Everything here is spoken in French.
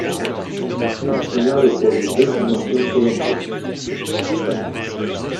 La finale oppose deux formations colombiennes.